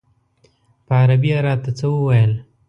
په عربي یې راته څه وویل.